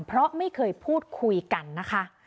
เพราะไม่เคยพูดคุยกันนะคะ